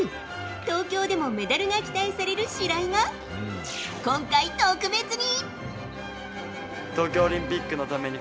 東京でもメダルが期待される白井が今回特別に。